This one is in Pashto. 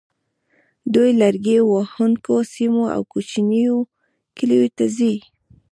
دوی لرګي وهونکو سیمو او کوچنیو کلیو ته ځي